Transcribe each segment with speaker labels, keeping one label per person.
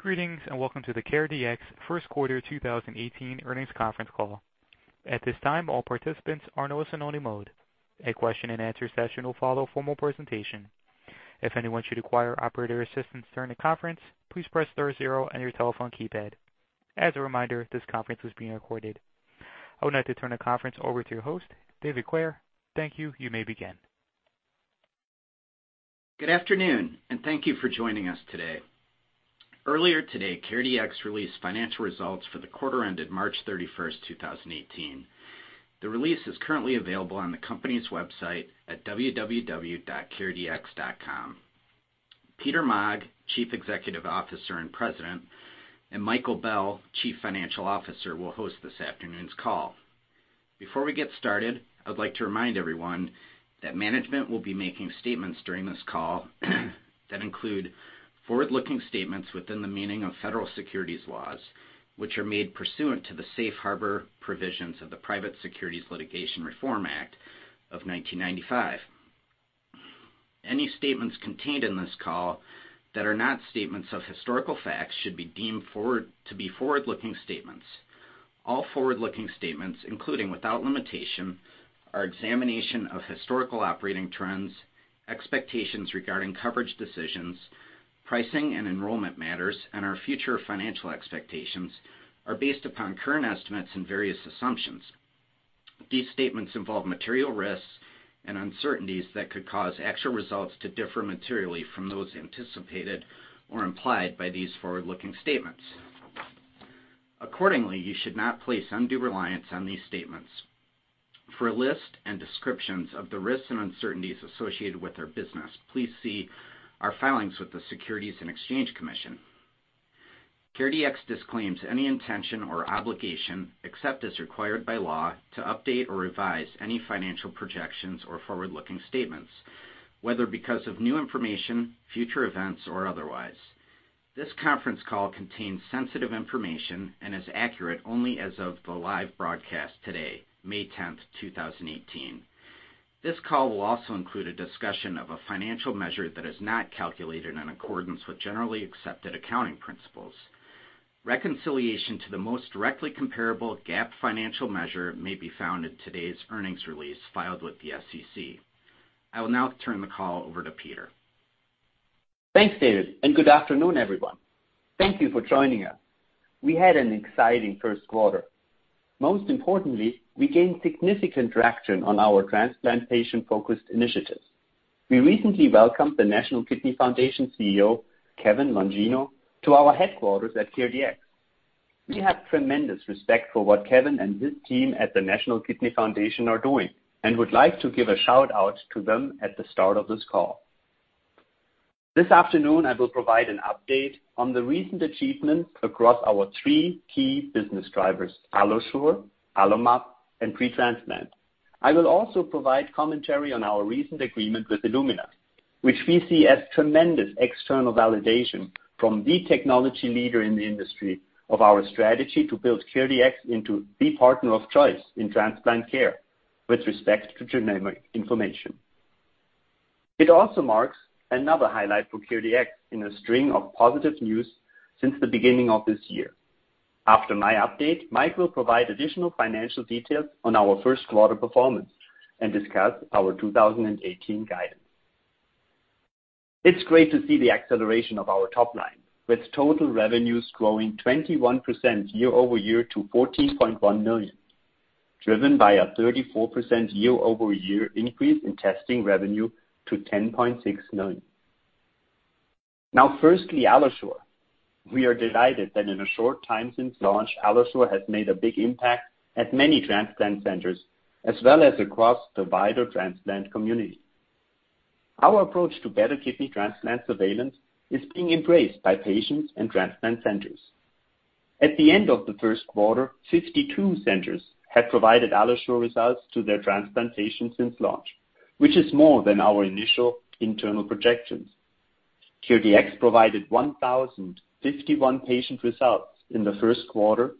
Speaker 1: Greetings. Welcome to the CareDx first quarter 2018 earnings conference call. At this time, all participants are in listen-only mode. A question-and-answer session will follow formal presentation. If anyone should require operator assistance during the conference, please press star zero on your telephone keypad. As a reminder, this conference is being recorded. I would like to turn the conference over to your host, David Clair. Thank you. You may begin.
Speaker 2: Good afternoon. Thank you for joining us today. Earlier today, CareDx released financial results for the quarter ended March 31st, 2018. The release is currently available on the company's website at www.caredx.com. Peter Maag, Chief Executive Officer and President, and Michael Bell, Chief Financial Officer, will host this afternoon's call. Before we get started, I would like to remind everyone that management will be making statements during this call that include forward-looking statements within the meaning of federal securities laws, which are made pursuant to the Safe Harbor provisions of the Private Securities Litigation Reform Act of 1995. Any statements contained in this call that are not statements of historical facts should be deemed to be forward-looking statements. All forward-looking statements, including, without limitation, our examination of historical operating trends, expectations regarding coverage decisions, pricing and enrollment matters, our future financial expectations are based upon current estimates and various assumptions. These statements involve material risks and uncertainties that could cause actual results to differ materially from those anticipated or implied by these forward-looking statements. Accordingly, you should not place undue reliance on these statements. For a list and descriptions of the risks and uncertainties associated with our business, please see our filings with the Securities and Exchange Commission. CareDx disclaims any intention or obligation, except as required by law, to update or revise any financial projections or forward-looking statements, whether because of new information, future events, or otherwise. This conference call contains sensitive information and is accurate only as of the live broadcast today, May 10th, 2018. This call will also include a discussion of a financial measure that is not calculated in accordance with generally accepted accounting principles. Reconciliation to the most directly comparable GAAP financial measure may be found in today's earnings release filed with the SEC. I will now turn the call over to Peter.
Speaker 3: Thanks, David, and good afternoon, everyone. Thank you for joining us. We had an exciting first quarter. Most importantly, we gained significant traction on our transplant patient-focused initiatives. We recently welcomed the National Kidney Foundation CEO, Kevin Longino, to our headquarters at CareDx. We have tremendous respect for what Kevin and his team at the National Kidney Foundation are doing and would like to give a shout-out to them at the start of this call. This afternoon, I will provide an update on the recent achievements across our three key business drivers, AlloSure, AlloMap, and Pre-Transplant. I will also provide commentary on our recent agreement with Illumina, which we see as tremendous external validation from the technology leader in the industry of our strategy to build CareDx into the partner of choice in transplant care with respect to genomic information. It also marks another highlight for CareDx in a string of positive news since the beginning of this year. After my update, Mike will provide additional financial details on our first quarter performance and discuss our 2018 guidance. It's great to see the acceleration of our top line with total revenues growing 21% year-over-year to $14.1 million, driven by a 34% year-over-year increase in testing revenue to $10.6 million. Firstly, AlloSure. We are delighted that in a short time since launch, AlloSure has made a big impact at many transplant centers as well as across the wider transplant community. Our approach to better kidney transplant surveillance is being embraced by patients and transplant centers. At the end of the first quarter, 52 centers had provided AlloSure results to their transplant patients since launch, which is more than our initial internal projections. CareDx provided 1,051 patient results in the first quarter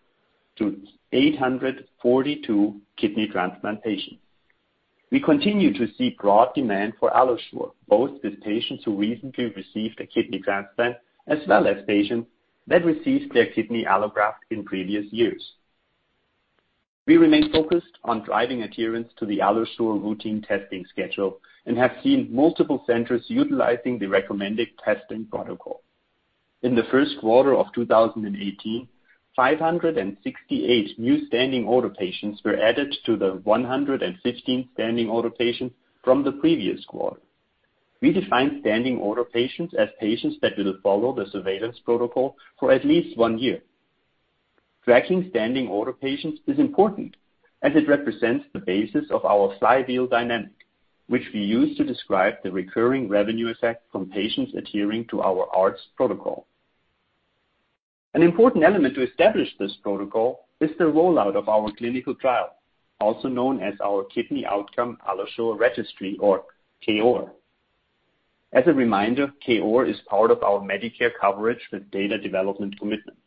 Speaker 3: to 842 kidney transplant patients. We continue to see broad demand for AlloSure, both with patients who recently received a kidney transplant, as well as patients that received their kidney allograft in previous years. We remain focused on driving adherence to the AlloSure routine testing schedule and have seen multiple centers utilizing the recommended testing protocol. In the first quarter of 2018, 568 new standing order patients were added to the 115 standing order patients from the previous quarter. We define standing order patients as patients that will follow the surveillance protocol for at least one year. Tracking standing order patients is important as it represents the basis of our flywheel dynamic, which we use to describe the recurring revenue effect from patients adhering to our ARDS protocol. An important element to establish this protocol is the rollout of our clinical trial, also known as our Kidney Outcome AlloSure Registry, or KOAR. As a reminder, KOAR is part of our Medicare coverage with data development commitment.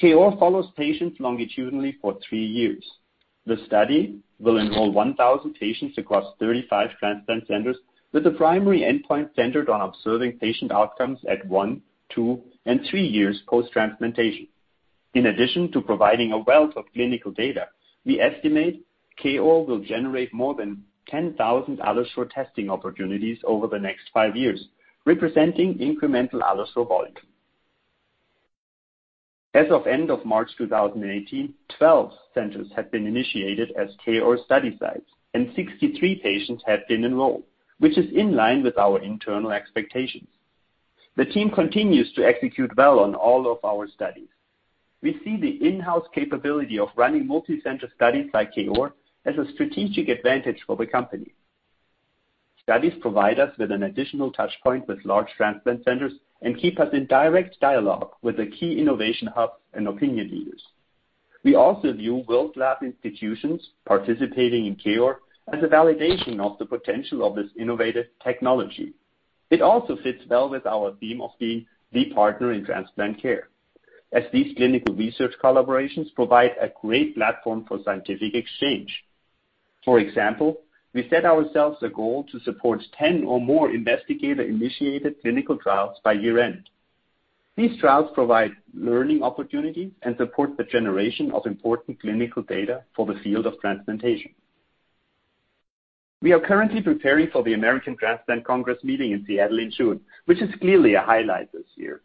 Speaker 3: KOAR follows patients longitudinally for three years. The study will enroll 1,000 patients across 35 transplant centers with the primary endpoint centered on observing patient outcomes at one, two, and three years post-transplantation. In addition to providing a wealth of clinical data, we estimate KOAR will generate more than 10,000 AlloSure testing opportunities over the next five years, representing incremental AlloSure volume. As of end of March 2018, 12 centers have been initiated as KOAR study sites and 63 patients have been enrolled, which is in line with our internal expectations. The team continues to execute well on all of our studies. We see the in-house capability of running multi-center studies like KOAR as a strategic advantage for the company. Studies provide us with an additional touch point with large transplant centers and keep us in direct dialogue with the key innovation hub and opinion leaders. We also view world-class institutions participating in KOAR as a validation of the potential of this innovative technology. It also fits well with our theme of being the partner in transplant care, as these clinical research collaborations provide a great platform for scientific exchange. For example, we set ourselves a goal to support 10 or more investigator-initiated clinical trials by year-end. These trials provide learning opportunities and support the generation of important clinical data for the field of transplantation. We are currently preparing for the American Transplant Congress meeting in Seattle in June, which is clearly a highlight this year.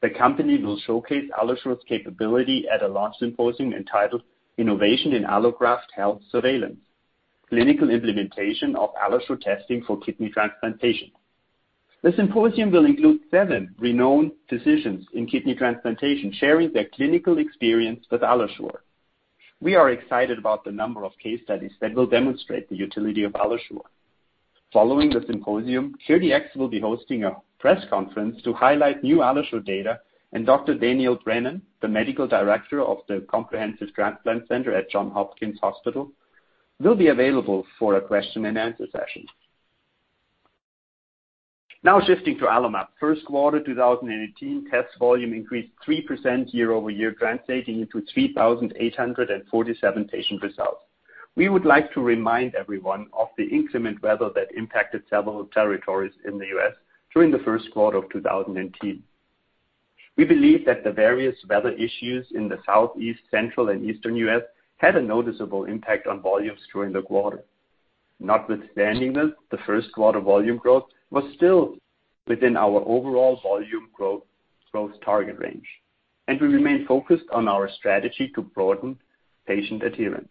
Speaker 3: The company will showcase AlloSure's capability at a large symposium entitled Innovation in Allograft Health Surveillance, Clinical Implementation of AlloSure Testing for Kidney Transplantation. The symposium will include seven renowned physicians in kidney transplantation sharing their clinical experience with AlloSure. We are excited about the number of case studies that will demonstrate the utility of AlloSure. Following the symposium, CareDx will be hosting a press conference to highlight new AlloSure data and Dr. Daniel Brennan, the Medical Director of the Comprehensive Transplant Center at The Johns Hopkins Hospital, will be available for a question and answer session. Shifting to AlloMap. First quarter 2018 test volume increased 3% year-over-year, translating into 3,847 patient results. We would like to remind everyone of the inclement weather that impacted several territories in the U.S. during the first quarter of 2018. We believe that the various weather issues in the Southeast, Central, and Eastern U.S. had a noticeable impact on volumes during the quarter. Notwithstanding this, the first quarter volume growth was still within our overall volume growth target range. We remain focused on our strategy to broaden patient adherence.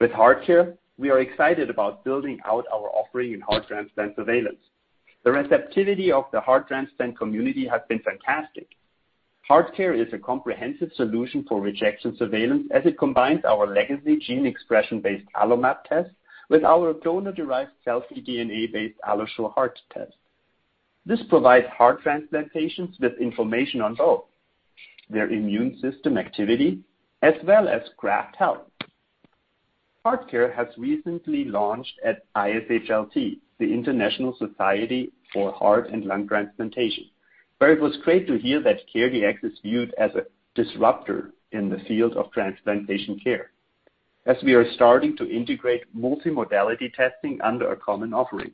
Speaker 3: With HeartCare, we are excited about building out our offering in heart transplant surveillance. The receptivity of the heart transplant community has been fantastic. HeartCare is a comprehensive solution for rejection surveillance as it combines our legacy gene expression-based AlloMap test with our donor-derived cell-free DNA-based AlloSure Heart test. This provides heart transplant patients with information on both their immune system activity as well as graft health. HeartCare has recently launched at ISHLT, the International Society for Heart and Lung Transplantation, where it was great to hear that CareDx is viewed as a disruptor in the field of transplantation care, as we are starting to integrate multimodality testing under a common offering,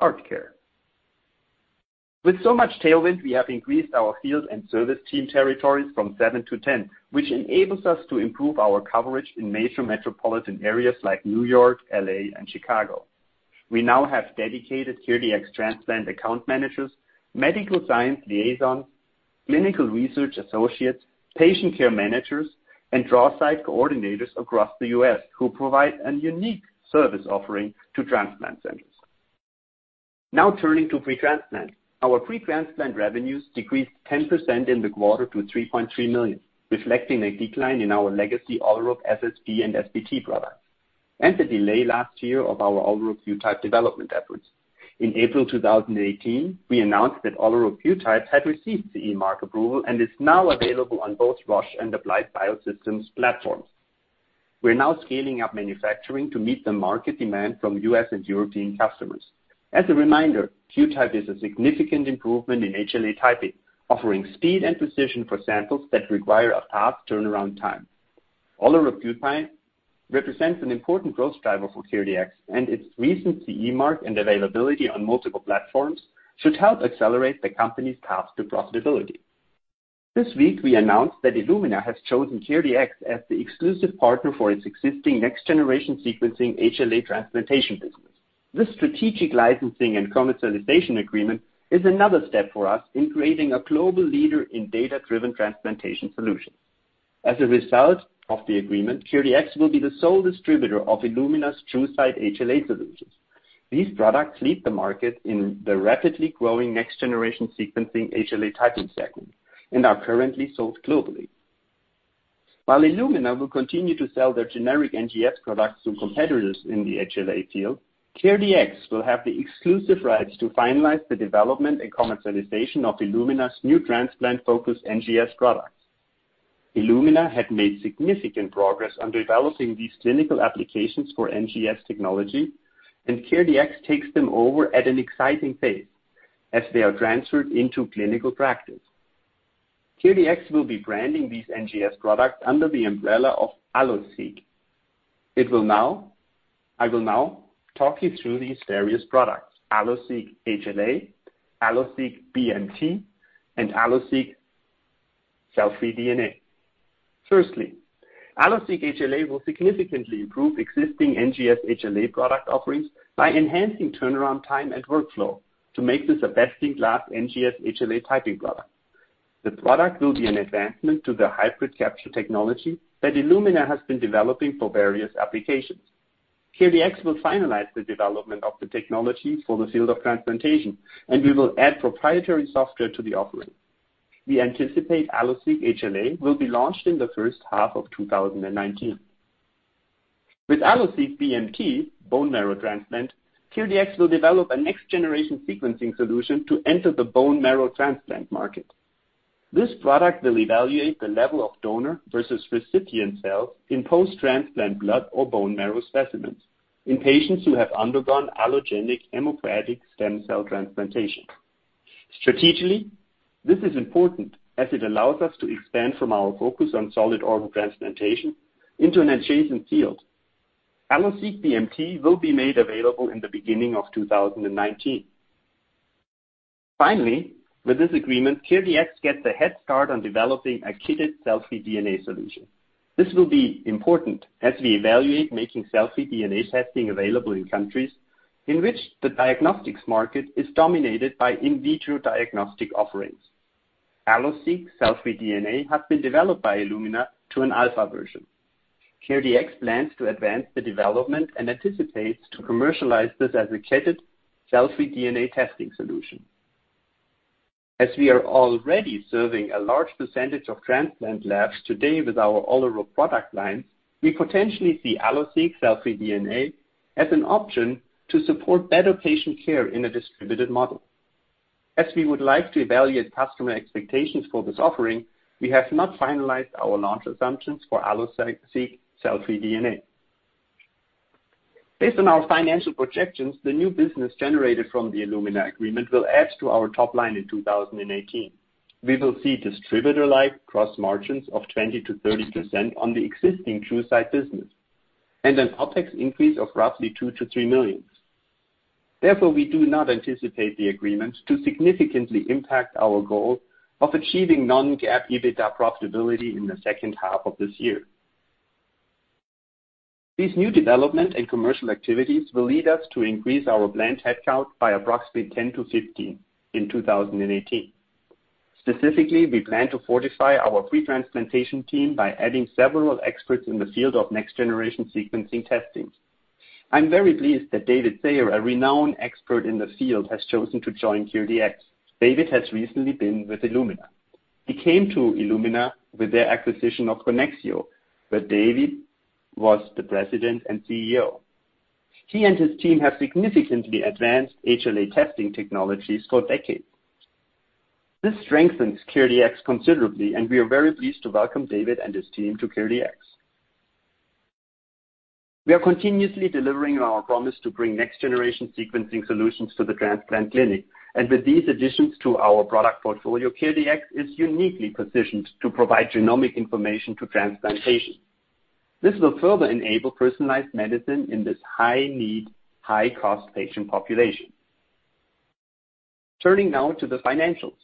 Speaker 3: HeartCare. With so much tailwind, we have increased our field and service team territories from seven to 10, which enables us to improve our coverage in major metropolitan areas like New York, L.A., and Chicago. We now have dedicated CareDx transplant account managers, medical science liaisons, clinical research associates, patient care managers, and draw site coordinators across the U.S. who provide a unique service offering to transplant centers. Turning to Pre-Transplant. Our Pre-Transplant revenues decreased 10% in the quarter to $3.3 million, reflecting a decline in our legacy Olerup SSP and Olerup SBT products and the delay last year of our Olerup QTYPE development efforts. In April 2018, we announced that Olerup QTYPE had received CE mark approval and is now available on both Roche and Applied Biosystems platforms. We are now scaling up manufacturing to meet the market demand from U.S. and European customers. As a reminder, QType is a significant improvement in HLA typing, offering speed and precision for samples that require a fast turnaround time. Olerup QTYPE represents an important growth driver for CareDx, and its recent CE mark and availability on multiple platforms should help accelerate the company's path to profitability. This week, we announced that Illumina has chosen CareDx as the exclusive partner for its existing next-generation sequencing HLA transplantation business. This strategic licensing and commercialization agreement is another step for us in creating a global leader in data-driven transplantation solutions. As a result of the agreement, CareDx will be the sole distributor of Illumina's TruSight HLA solutions. These products lead the market in the rapidly growing next-generation sequencing HLA typing segment and are currently sold globally. While Illumina will continue to sell their generic NGS products to competitors in the HLA field, CareDx will have the exclusive rights to finalize the development and commercialization of Illumina's new transplant-focused NGS products. Illumina had made significant progress on developing these clinical applications for NGS technology, and CareDx takes them over at an exciting pace as they are transferred into clinical practice. CareDx will be branding these NGS products under the umbrella of AlloSeq. I will now talk you through these various products, AlloSeq HLA, AlloSeq BMT, and AlloSeq cell-free DNA. Firstly, AlloSeq HLA will significantly improve existing NGS HLA product offerings by enhancing turnaround time and workflow to make this a best-in-class NGS HLA typing product. The product will be an advancement to the hybrid capture technology that Illumina has been developing for various applications. CareDx will finalize the development of the technology for the field of transplantation, and we will add proprietary software to the offering. We anticipate AlloSeq HLA will be launched in the first half of 2019. With AlloSeq BMT, bone marrow transplant, CareDx will develop a next-generation sequencing solution to enter the bone marrow transplant market. This product will evaluate the level of donor versus recipient cells in post-transplant blood or bone marrow specimens in patients who have undergone allogeneic hematopoietic stem cell transplantation. Strategically, this is important as it allows us to expand from our focus on solid organ transplantation into an adjacent field. AlloSeq BMT will be made available in the beginning of 2019. Finally, with this agreement, CareDx gets a head start on developing a kitted cell-free DNA solution. This will be important as we evaluate making cell-free DNA testing available in countries in which the diagnostics market is dominated by in vitro diagnostic offerings. AlloSeq cell-free DNA has been developed by Illumina to an alpha version. CareDx plans to advance the development and anticipates to commercialize this as a kitted cell-free DNA testing solution. As we are already serving a large percentage of transplant labs today with our Olerup product line, we potentially see AlloSeq cell-free DNA as an option to support better patient care in a distributed model. As we would like to evaluate customer expectations for this offering, we have not finalized our launch assumptions for AlloSeq cell-free DNA. Based on our financial projections, the new business generated from the Illumina agreement will add to our top line in 2018. We will see distributor-like cross margins of 20%-30% on the existing TruSight business, and an OPEX increase of roughly $2 million-$3 million. Therefore, we do not anticipate the agreement to significantly impact our goal of achieving non-GAAP EBITDA profitability in the second half of this year. These new development and commercial activities will lead us to increase our planned headcount by approximately 10 to 15 in 2018. Specifically, we plan to fortify our pre-transplant team by adding several experts in the field of next-generation sequencing testing. I'm very pleased that David Sayer, a renowned expert in the field, has chosen to join CareDx. David has recently been with Illumina. He came to Illumina with their acquisition of Conexio, where David was the president and CEO. He and his team have significantly advanced HLA testing technologies for decades. This strengthens CareDx considerably, and we are very pleased to welcome David and his team to CareDx. We are continuously delivering on our promise to bring next-generation sequencing solutions to the transplant clinic, and with these additions to our product portfolio, CareDx is uniquely positioned to provide genomic information to transplant patients. This will further enable personalized medicine in this high-need, high-cost patient population. Turning now to the financials.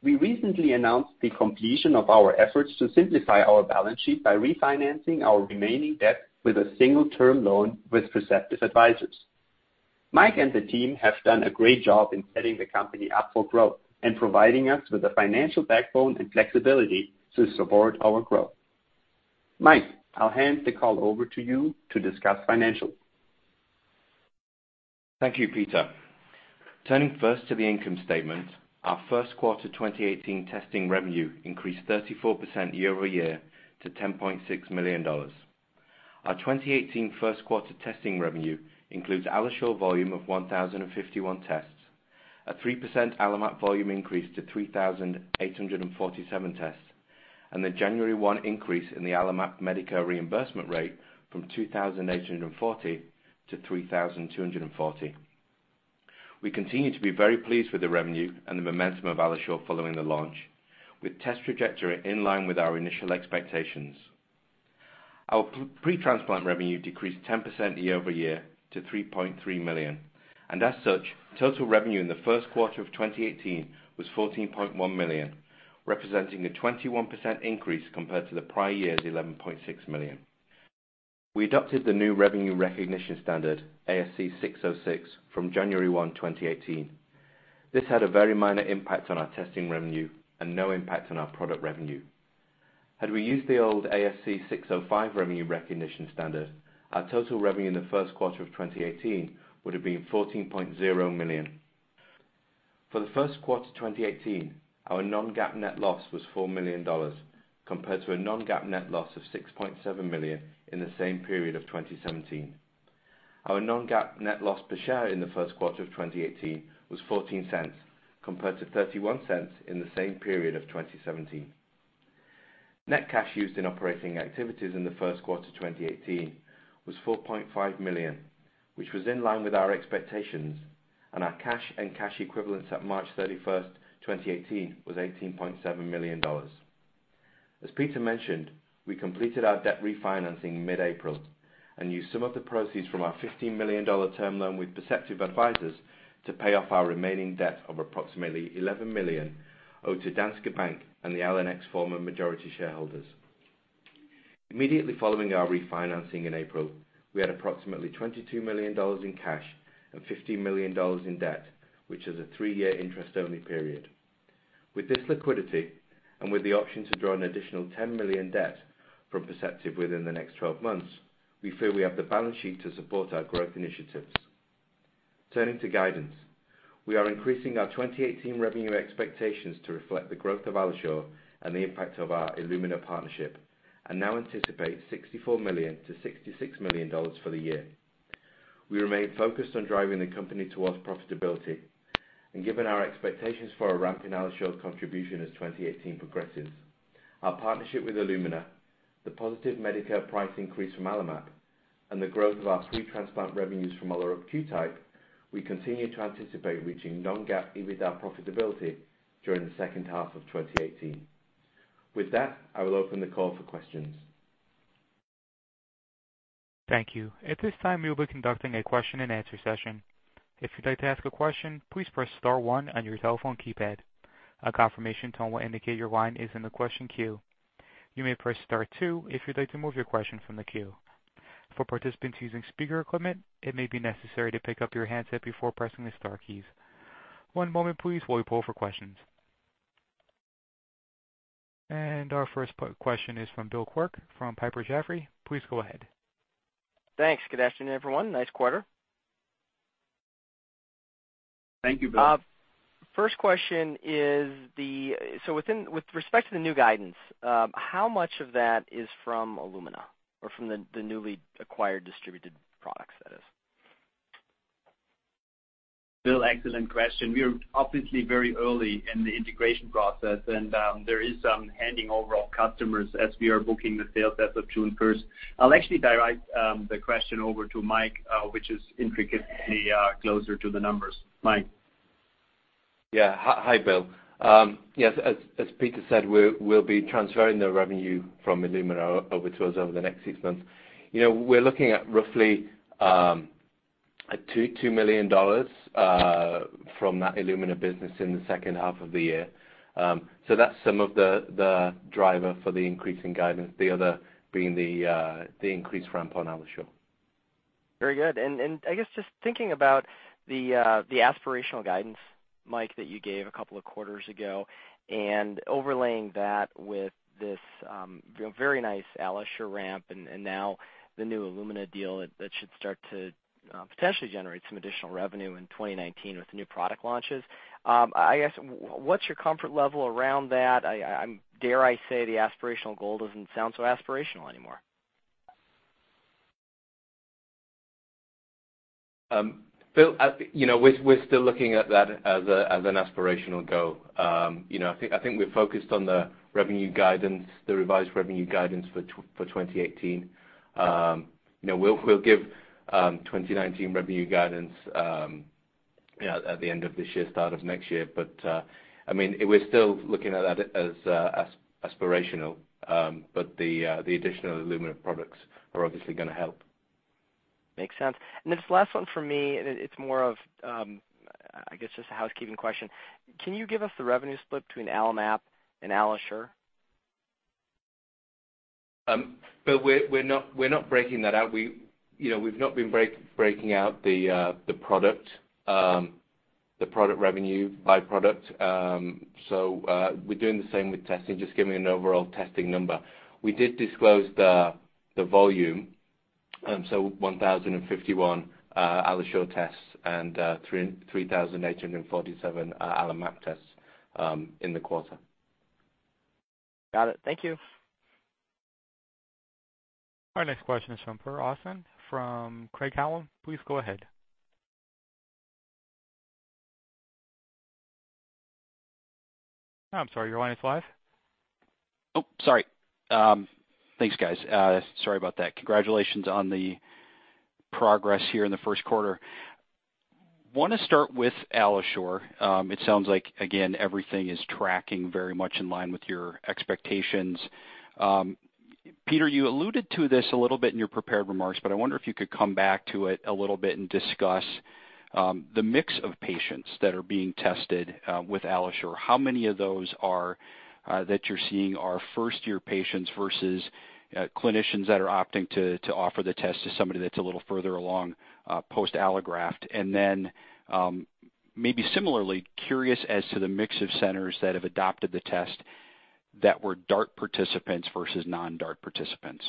Speaker 3: We recently announced the completion of our efforts to simplify our balance sheet by refinancing our remaining debt with a single-term loan with Perceptive Advisors. Mike and the team have done a great job in setting the company up for growth and providing us with the financial backbone and flexibility to support our growth. Mike, I'll hand the call over to you to discuss financials.
Speaker 4: Thank you, Peter. Turning first to the income statement, our first quarter 2018 testing revenue increased 34% year-over-year to $10.6 million. Our 2018 first quarter testing revenue includes AlloSure volume of 1,051 tests, a 3% AlloMap volume increase to 3,847 tests, and the January 1 increase in the AlloMap Medicare reimbursement rate from $2,840 to $3,240. We continue to be very pleased with the revenue and the momentum of AlloSure following the launch, with test trajectory in line with our initial expectations. Our pre-transplant revenue decreased 10% year-over-year to $3.3 million. As such, total revenue in the first quarter of 2018 was $14.1 million, representing a 21% increase compared to the prior year's $11.6 million. We adopted the new revenue recognition standard, ASC 606, from January 1, 2018. This had a very minor impact on our testing revenue and no impact on our product revenue. Had we used the old ASC 605 revenue recognition standard, our total revenue in the first quarter of 2018 would have been $14.0 million. For the first quarter 2018, our non-GAAP net loss was $4 million compared to a non-GAAP net loss of $6.7 million in the same period of 2017. Our non-GAAP net loss per share in the first quarter of 2018 was $0.14, compared to $0.31 in the same period of 2017. Net cash used in operating activities in the first quarter 2018 was $4.5 million, which was in line with our expectations, and our cash and cash equivalents at March 31, 2018, was $18.7 million. As Peter mentioned, we completed our debt refinancing mid-April and used some of the proceeds from our $15 million term loan with Perceptive Advisors to pay off our remaining debt of approximately $11 million owed to Danske Bank and the Allenex Former majority shareholders. Immediately following our refinancing in April, we had approximately $22 million in cash and $15 million in debt, which is a three-year interest-only period. With this liquidity, and with the option to draw an additional $10 million debt from Perceptive within the next 12 months, we feel we have the balance sheet to support our growth initiatives. Turning to guidance, we are increasing our 2018 revenue expectations to reflect the growth of AlloSure and the impact of our Illumina partnership and now anticipate $64 million-$66 million for the year. We remain focused on driving the company towards profitability. Given our expectations for a ramp in AlloSure contribution as 2018 progresses, our partnership with Illumina, the positive Medicare price increase from AlloMap, and the growth of our Pre-Transplant revenues from Olerup QTYPE, we continue to anticipate reaching non-GAAP EBITDA profitability during the second half of 2018. With that, I will open the call for questions.
Speaker 1: Thank you. At this time, we will be conducting a question-and-answer session. If you'd like to ask a question, please press star one on your telephone keypad. A confirmation tone will indicate your line is in the question queue. You may press star two if you'd like to move your question from the queue. For participants using speaker equipment, it may be necessary to pick up your handset before pressing the star keys. One moment please while we poll for questions. Our first question is from Bill Quirk from Piper Jaffray. Please go ahead.
Speaker 5: Thanks. Good afternoon, everyone. Nice quarter.
Speaker 4: Thank you, Bill.
Speaker 5: First question is, with respect to the new guidance, how much of that is from Illumina or from the newly acquired distributed products, that is?
Speaker 3: Bill, excellent question. We are obviously very early in the integration process, and there is some handing over of customers as we are booking the sales as of June 1st. I'll actually direct the question over to Mike, which is intricately closer to the numbers. Mike?
Speaker 4: Yeah. Hi, Bill. Yes, as Peter said, we'll be transferring the revenue from Illumina over to us over the next six months. We're looking at roughly at $22 million from that Illumina business in the second half of the year. That's some of the driver for the increase in guidance, the other being the increased ramp on AlloSure.
Speaker 5: Very good. I guess just thinking about the aspirational guidance, Mike, that you gave a couple of quarters ago and overlaying that with this very nice AlloSure ramp and now the new Illumina deal that should start to potentially generate some additional revenue in 2019 with new product launches. I guess, what's your comfort level around that? Dare I say the aspirational goal doesn't sound so aspirational anymore.
Speaker 4: Bill, we're still looking at that as an aspirational goal. I think we're focused on the revenue guidance, the revised revenue guidance for 2018. We'll give 2019 revenue guidance at the end of this year, start of next year. We're still looking at that as aspirational. The additional Illumina products are obviously going to help.
Speaker 5: Makes sense. This last one from me, it's more of I guess just a housekeeping question. Can you give us the revenue split between AlloMap and AlloSure?
Speaker 4: Bill, we're not breaking that out. We've not been breaking out the product revenue by product. We're doing the same with testing, just giving an overall testing number. We did disclose the volume, 1,051 AlloSure tests and 3,847 AlloMap tests in the quarter.
Speaker 5: Got it. Thank you.
Speaker 1: Our next question is from Per Ostlund from Craig-Hallum. Please go ahead. I'm sorry, your line is live.
Speaker 6: Oh, sorry. Thanks, guys. Sorry about that. Congratulations on the progress here in the first quarter. Want to start with AlloSure. It sounds like, again, everything is tracking very much in line with your expectations. Peter, you alluded to this a little bit in your prepared remarks, but I wonder if you could come back to it a little bit and discuss the mix of patients that are being tested with AlloSure. Maybe similarly, curious as to the mix of centers that have adopted the test that were DART participants versus non-DART participants.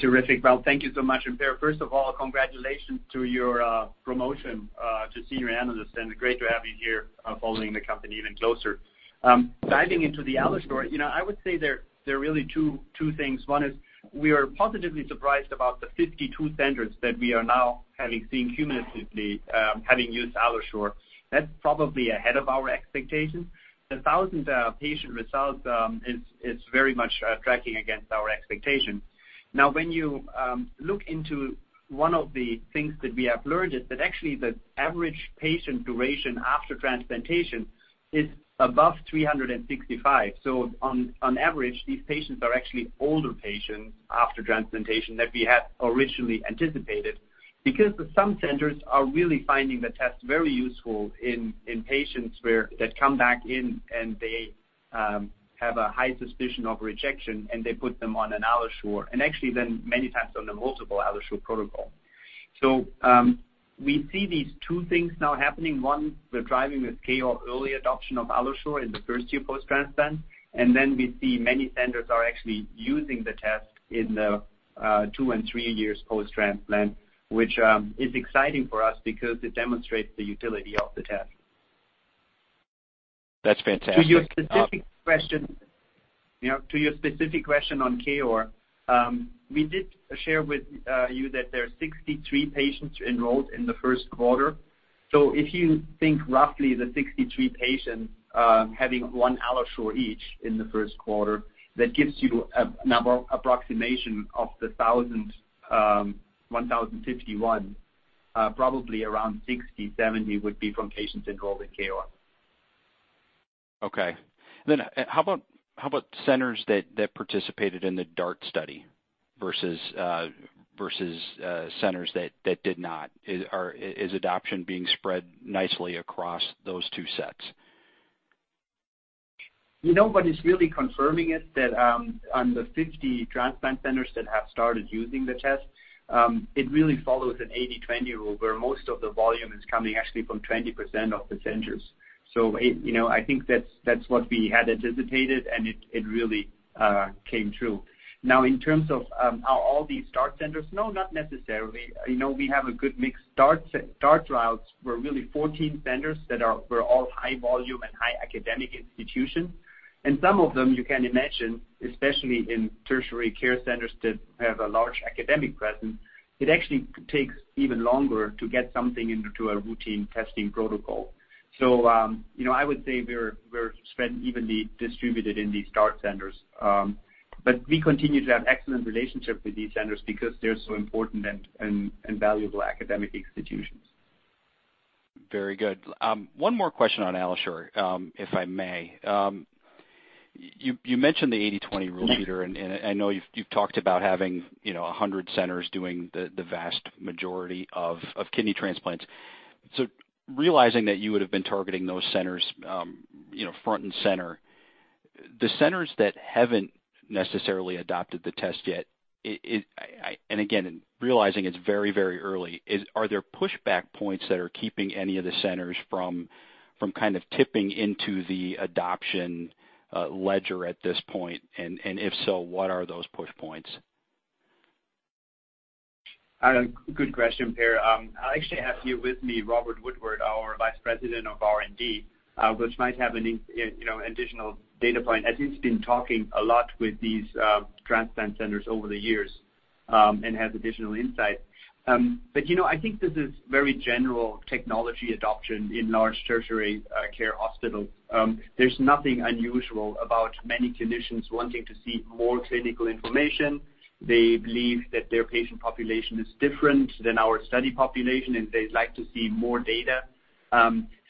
Speaker 3: Terrific. Well, thank you so much, and first of all, congratulations to your promotion to senior analyst, and great to have you here following the company even closer. Diving into the AlloSure, I would say there are really two things. One is we are positively surprised about the 52 centers that we are now having seen cumulatively having used AlloSure. That's probably ahead of our expectations. The thousands of patient results is very much tracking against our expectation. Now, when you look into one of the things that we have learned, is that actually the average patient duration after transplantation is above 365. On average, these patients are actually older patients after transplantation than we had originally anticipated, because some centers are really finding the test very useful in patients that come back in and they have a high suspicion of rejection, and they put them on an AlloSure. Actually, then many times on a multiple AlloSure protocol. We see these two things now happening. One, we're driving with KOAR early adoption of AlloSure in the first year post-transplant. We see many centers are actually using the test in the two and three years post-transplant, which is exciting for us because it demonstrates the utility of the test.
Speaker 6: That's fantastic.
Speaker 3: To your specific question on KOAR, we did share with you that there are 63 patients enrolled in the first quarter. If you think roughly the 63 patients having one AlloSure each in the first quarter, that gives you an approximation of the 1,051, probably around 60, 70 would be from patients enrolled in KOAR.
Speaker 6: Okay. How about centers that participated in the DART study versus centers that did not? Is adoption being spread nicely across those two sets?
Speaker 3: You know what is really confirming it, that on the 50 transplant centers that have started using the test, it really follows an 80/20 rule, where most of the volume is coming actually from 20% of the centers. I think that's what we had anticipated, and it really came true. Now, in terms of are all these DART centers, no, not necessarily. We have a good mix. DART trials were really 14 centers that were all high volume and high academic institutions. Some of them, you can imagine, especially in tertiary care centers that have a large academic presence, it actually takes even longer to get something into a routine testing protocol. I would say we're spread evenly distributed in these DART centers. We continue to have excellent relationships with these centers because they're so important and valuable academic institutions.
Speaker 6: Very good. One more question on AlloSure, if I may. You mentioned the 80/20 rule, Peter, I know you've talked about having 100 centers doing the vast majority of kidney transplants. Realizing that you would've been targeting those centers front and center, the centers that haven't necessarily adopted the test yet, again, realizing it's very early, are there pushback points that are keeping any of the centers from kind of tipping into the adoption ledger at this point? If so, what are those push points?
Speaker 3: Good question, Per. I actually have here with me, Robert Woodward, our Vice President of R&D, which might have an additional data point, as he's been talking a lot with these transplant centers over the years, and has additional insight. I think this is very general technology adoption in large tertiary care hospitals. There's nothing unusual about many clinicians wanting to see more clinical information. They believe that their patient population is different than our study population, and they'd like to see more data.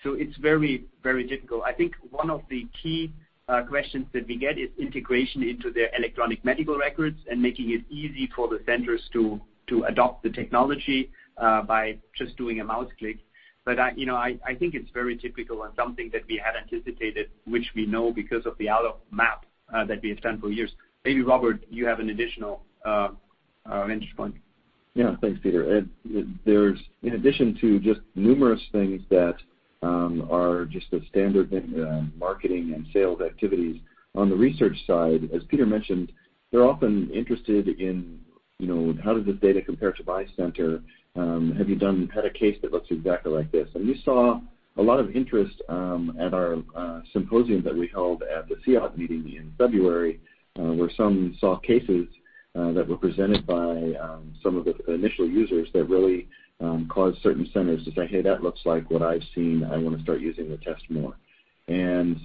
Speaker 3: It's very difficult. I think one of the key questions that we get is integration into their electronic medical records and making it easy for the centers to adopt the technology by just doing a mouse click. I think it's very typical and something that we had anticipated, which we know because of the AlloMap that we have done for years. Maybe Robert, you have an additional interest point.
Speaker 7: Thanks, Peter. In addition to just numerous things that are just the standard marketing and sales activities, on the research side, as Peter mentioned, they're often interested in how does this data compare to my center? Have you had a case that looks exactly like this? We saw a lot of interest at our symposium that we held at the SIOP meeting in February, where some saw cases that were presented by some of the initial users that really caused certain centers to say, "Hey, that looks like what I've seen. I want to start using the test more."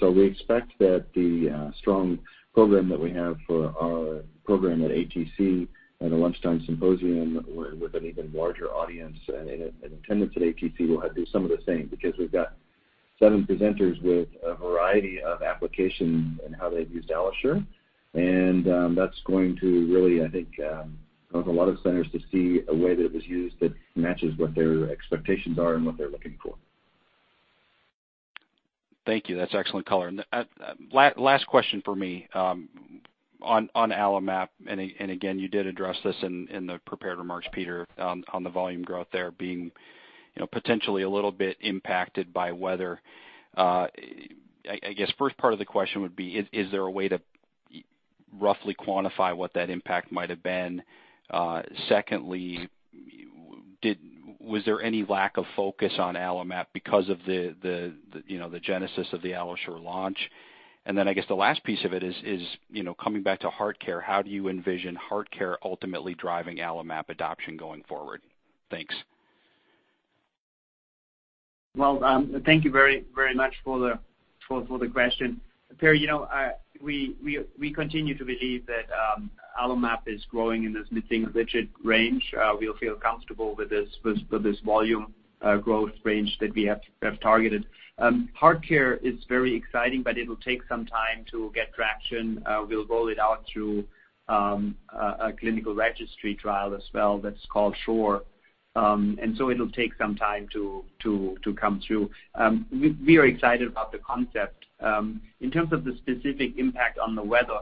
Speaker 7: We expect that the strong program that we have for our program at ATC and a lunchtime symposium with an even larger audience and attendance at ATC will do some of the same, because we've got seven presenters with a variety of applications in how they've used AlloSure. That's going to really, I think, help a lot of centers to see a way that it was used that matches what their expectations are and what they're looking for.
Speaker 6: Thank you. That's excellent color. Last question from me. On AlloMap, again, you did address this in the prepared remarks, Peter, on the volume growth there being potentially a little bit impacted by weather. I guess first part of the question would be, is there a way to roughly quantify what that impact might have been? Secondly, was there any lack of focus on AlloMap because of the genesis of the AlloSure launch? Then, I guess the last piece of it is, coming back to HeartCare, how do you envision HeartCare ultimately driving AlloMap adoption going forward? Thanks.
Speaker 3: Well, thank you very much for the question. Per, we continue to believe that AlloMap is growing in this mid-single digit range. We feel comfortable with this volume growth range that we have targeted. HeartCare is very exciting, but it'll take some time to get traction. We'll roll it out through a clinical registry trial as well that's called SHORE. It'll take some time to come through. We are excited about the concept. In terms of the specific impact on the weather,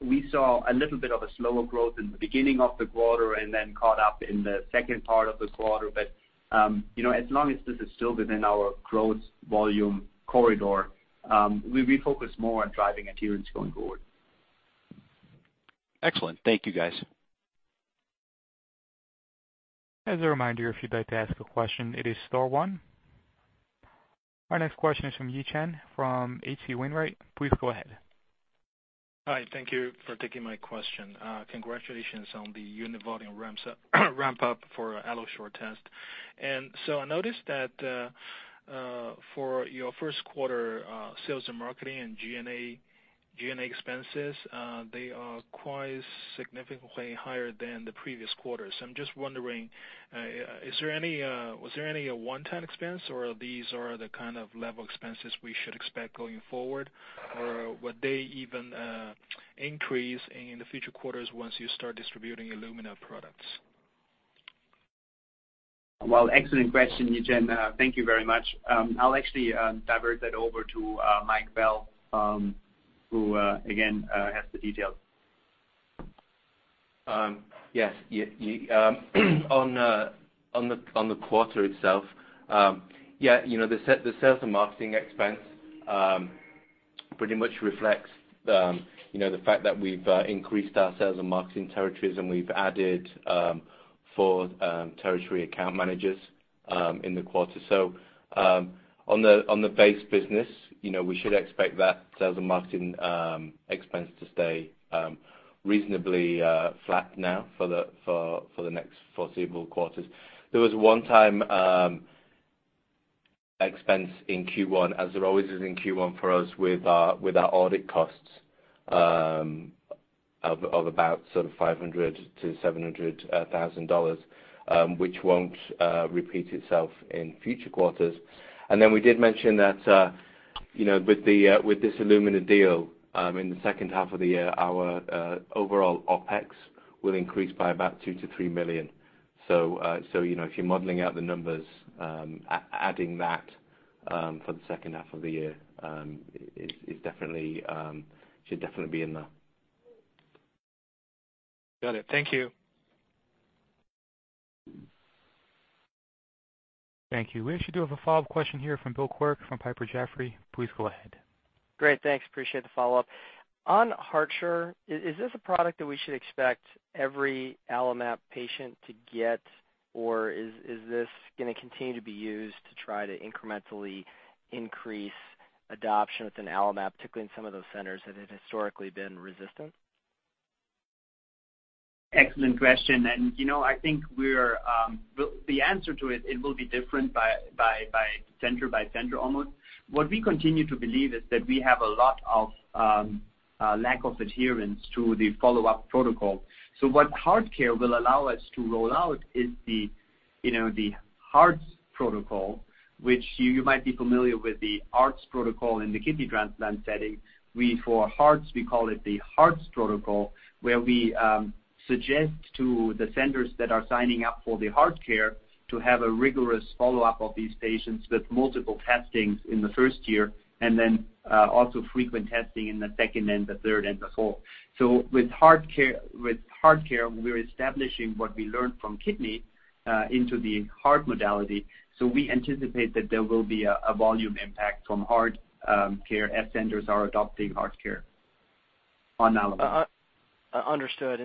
Speaker 3: we saw a little bit of a slower growth in the beginning of the quarter and then caught up in the second part of the quarter. As long as this is still within our growth volume corridor, we focus more on driving adherence going forward. Excellent. Thank you, guys.
Speaker 1: As a reminder, if you'd like to ask a question, it is star 1. Our next question is from Yi Chen from H.C. Wainwright. Please go ahead.
Speaker 8: Hi, thank you for taking my question. Congratulations on the univoting ramp up for AlloSure test. I noticed that for your first quarter sales and marketing and G&A expenses, they are quite significantly higher than the previous quarters. I'm just wondering, was there any one-time expense or these are the kind of level expenses we should expect going forward? Or would they even increase in the future quarters once you start distributing Illumina products?
Speaker 3: Well, excellent question, Yi Chen. Thank you very much. I'll actually divert that over to Mike Bell, who, again, has the details.
Speaker 4: Yes. On the quarter itself, the sales and marketing expense pretty much reflects the fact that we've increased our sales and marketing territories, and we've added four territory account managers in the quarter. On the base business, we should expect that sales and marketing expense to stay reasonably flat now for the next foreseeable quarters. There was a one-time expense in Q1 as there always is in Q1 for us with our audit costs of about sort of $500,000-$700,000, which won't repeat itself in future quarters. We did mention that with this Illumina deal, in the second half of the year, our overall OPEX will increase by about $2 million-$3 million. If you're modeling out the numbers, adding that for the second half of the year should definitely be in there.
Speaker 8: Got it. Thank you.
Speaker 1: Thank you. We actually do have a follow-up question here from Bill Quirk from Piper Jaffray. Please go ahead.
Speaker 5: Great. Thanks. Appreciate the follow-up. On HeartCare, is this a product that we should expect every AlloMap patient to get or is this going to continue to be used to try to incrementally increase adoption within AlloMap, particularly in some of those centers that have historically been resistant?
Speaker 3: Excellent question. I think the answer to it will be different by center almost. What we continue to believe is that we have a lot of lack of adherence to the follow-up protocol. What HeartCare will allow us to roll out is the hearts protocol, which you might be familiar with the ARDS protocol in the kidney transplant setting. We, for hearts, we call it the hearts protocol, where we suggest to the centers that are signing up for the HeartCare to have a rigorous follow-up of these patients with multiple testings in the first year, and then also frequent testing in the second and the third and the fourth. With HeartCare, we're establishing what we learned from kidney into the heart modality. We anticipate that there will be a volume impact from HeartCare as centers are adopting HeartCare on AlloMap.
Speaker 5: Understood.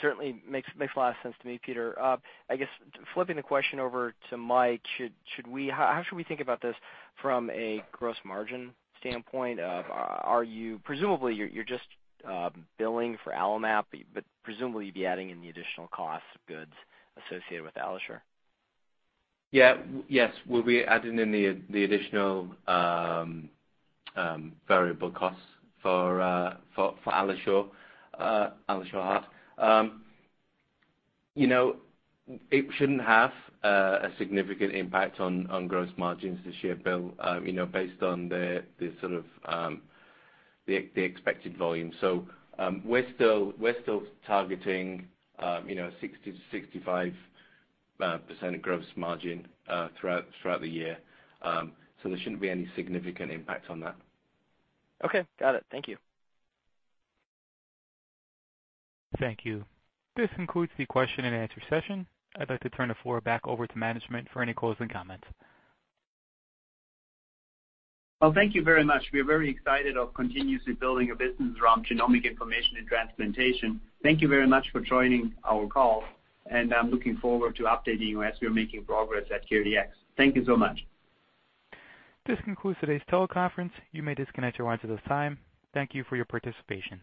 Speaker 5: Certainly makes a lot of sense to me, Peter. I guess, flipping the question over to Mike, how should we think about this from a gross margin standpoint? Presumably you're just billing for AlloMap, but presumably you'd be adding in the additional cost of goods associated with AlloSure.
Speaker 4: Yes. We'll be adding in the additional variable costs for AlloSure Heart. It shouldn't have a significant impact on gross margins this year, Bill, based on the sort of expected volume. We're still targeting 60%-65% gross margin throughout the year. There shouldn't be any significant impact on that.
Speaker 5: Okay. Got it. Thank you.
Speaker 1: Thank you. This concludes the question and answer session. I'd like to turn the floor back over to management for any closing comments.
Speaker 3: Well, thank you very much. We are very excited of continuously building a business around genomic information and transplantation. Thank you very much for joining our call, and I'm looking forward to updating you as we are making progress at CareDx. Thank you so much.
Speaker 1: This concludes today's teleconference. You may disconnect your lines at this time. Thank you for your participation.